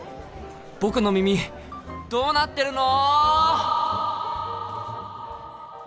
僕の耳どうなってるの！？